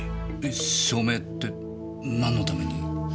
証明って何のために？